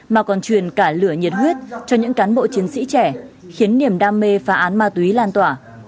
mà còn truyền cả lửa nhiệt huyết cho những cán bộ chiến sĩ trẻ khiến niềm đam mê phá án ma túy lan tỏa